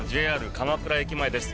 鎌倉駅前です。